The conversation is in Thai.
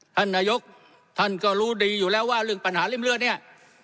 ท่านนายกท่านก็รู้ดีอยู่แล้วว่าเรื่องปัญหาริ่มเลือดเนี่ย